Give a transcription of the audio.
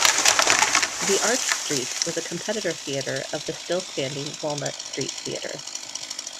The Arch Street was a competitor theatre of the still standing Walnut Street Theatre.